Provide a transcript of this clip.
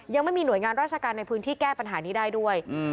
ยังไม่มีหน่วยงานราชการในพื้นที่แก้ปัญหานี้ได้ด้วย